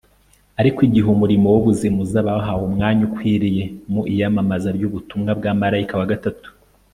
ariko igihe umurimo w'ubuzima uzaba wahawe umwanya ukwiriye mu iyamamaza ry'ubutumwa bwa marayika wa gatatu